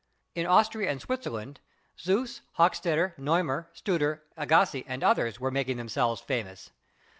In Austria and Switzerland Suess, Hochstetter, Neumayr, Studer, Agassiz and others were making themselves famous.